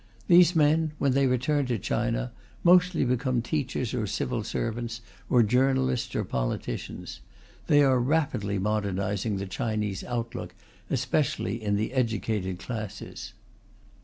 These men, when they return to China, mostly become teachers or civil servants or journalists or politicians. They are rapidly modernizing the Chinese outlook, especially in the educated classes.